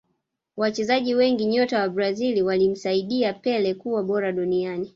Wachezaji wengi nyota wa Brazil walimsaidia pele kuwa bora duniani